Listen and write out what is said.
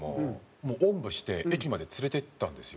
おんぶして駅まで連れていったんですよ